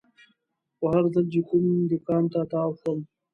خو هر ځل چې کوم دوکان ته تاو شوم.